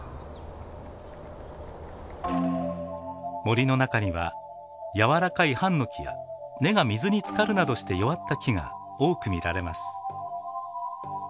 森の中には柔らかいハンノキや根が水につかるなどして弱った木が多く見られます。